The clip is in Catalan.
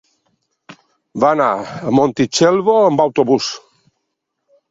Va anar a Montitxelvo amb autobús.